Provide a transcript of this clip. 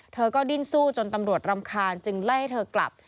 เธอก็ดิ้นสู้จนตำรวจรำคาญจึงไล่ให้เธอกลับ